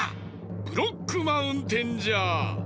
ブロックマウンテンじゃ！